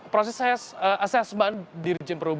proses asesmen di rejim perubahan